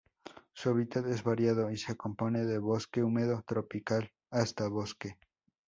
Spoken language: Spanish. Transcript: Su hábitat es variado y se compone de bosque húmedo tropical hasta bosque.